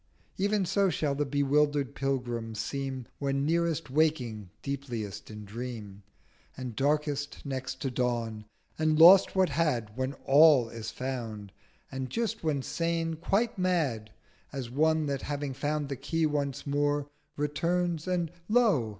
— Ev'n so shall the bewilder'd Pilgrim seem When nearest waking deepliest in Dream, And darkest next to Dawn; and lost what had When All is found: and just when sane quite Mad— As one that having found the Key once more 1230 Returns, and Lo!